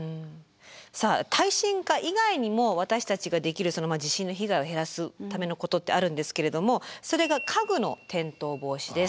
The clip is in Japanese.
さあ耐震化以外にも私たちができる地震の被害を減らすためのことってあるんですけれどもそれが家具の転倒防止です。